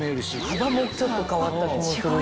幅もちょっと変わった気も。